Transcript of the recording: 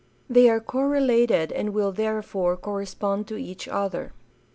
They are correlated and will therefore correspond to each other.